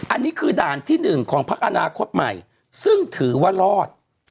อันนี้คือด่านที่๑ของพักอนาคตใหม่ซึ่งถือว่ารอด